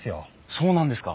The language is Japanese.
そうなんですか？